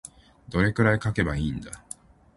どれくらい書けばいいんだ。